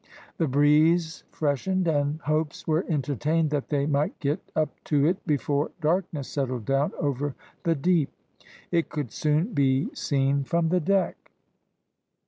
The breeze freshened, and hopes were entertained that they might get up to it before darkness settled down over the deep. It could soon be seen from the deck.